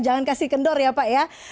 jangan kasih kendor ya pak ya